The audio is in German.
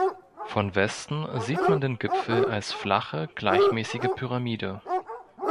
Von Westen sieht man den Gipfel als flache, gleichmäßige Pyramide.